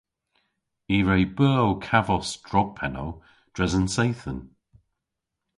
I re beu ow kavos drog pennow dres an seythen.